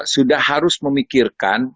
sudah harus memikirkan